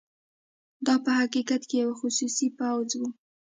دا په حقیقت کې یو خصوصي پوځ وو.